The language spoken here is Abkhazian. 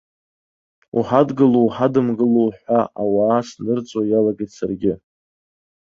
Уҳадгылоу-уҳадымгылоу ҳәа ауаа снырҵо иалагеит саргьы.